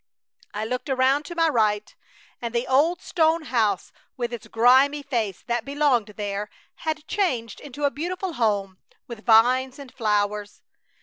I looked around to my right, and the old stone house with its grimy face that belonged there had changed into a beautiful home with vines and flowers.